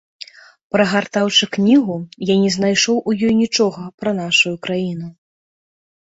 Прагартаўшы кнігу, я не знайшоў у ёй нічога пра нашую краіну.